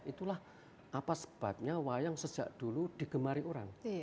itulah apa sebabnya wayang sejak dulu digemari orang